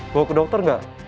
bawa ke dokter gak